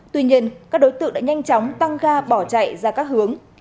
tuy nhiên các đối tượng đã nhanh chóng tăng ga bỏ chạy ra các hướng